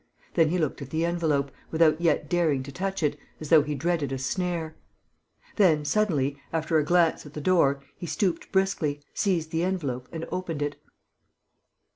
Then he looked at the envelope, without yet daring to touch it, as though he dreaded a snare. Then, suddenly, after a glance at the door, he stooped briskly, seized the envelope and opened it.